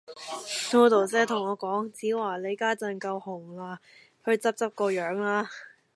Dodo 姐同我講：子華，你家陣夠紅啦，去執執個樣啦